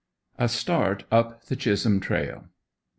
A START UP THE CHISHOLM TRAIL.